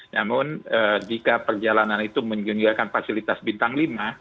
namun jika perjalanan itu menyediakan fasilitas bintang lima